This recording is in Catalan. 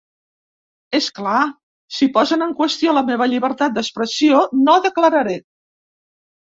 És clar, si posen en qüestió la meva llibertat d’expressió, no declararé.